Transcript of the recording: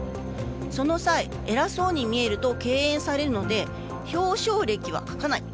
その際、偉そうに見えると敬遠されるので表彰歴は書かない。